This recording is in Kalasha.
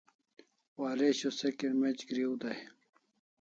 Waresho se kirmec' griu dai